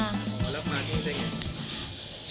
แล้วมาที่นี่ได้อย่างไร